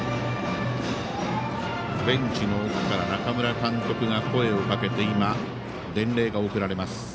ベンチの奥から中村監督が声をかけて今、伝令が送られます。